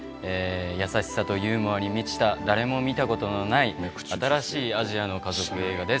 優しさとユーモアに満ちた誰も見た事のない新しいアジアの家族映画です。